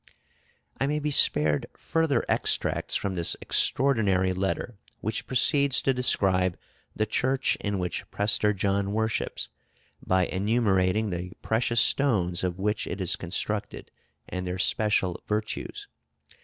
I may be spared further extracts from this extraordinary letter, which proceeds to describe the church in which Prester John worships, by enumerating the precious stones of which it is constructed, and their special virtues.